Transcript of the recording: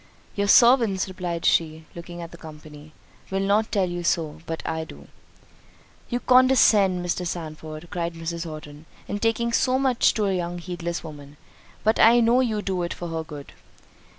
"Your servants," replied she, looking at the company, "will not tell you so; but I do." "You condescend, Mr. Sandford," cried Mrs. Horton, "in talking so much to a young heedless woman; but I know you do it for her good."